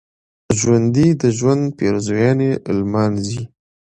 ژوندي د ژوند پېرزوینې لمانځي